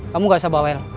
kamu gak usah bawel